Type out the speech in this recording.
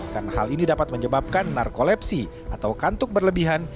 karena hal ini dapat menyebabkan narkolepsi atau kantuk berlebihan